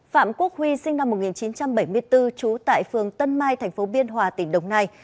phạm quốc huy sinh năm một nghìn chín trăm bảy mươi bốn trú tại phường tân mai thành phố biên hòa tỉnh đồng nai